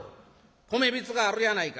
米びつがあるやないか。